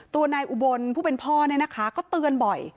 ตัวนายอุบลผู้เป็นพ่อเนี่ยนะคะก็เตือนบ่อย